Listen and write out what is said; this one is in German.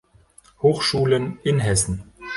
Hochschulen in Hessen